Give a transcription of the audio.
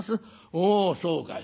『おおそうかい。